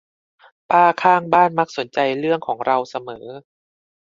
ป้าข้างบ้านมักสนใจเรื่องของเราเสมอ